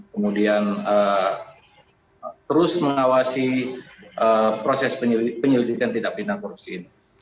kemudian terus mengawasi proses penyelidikan tindak pidana korupsi ini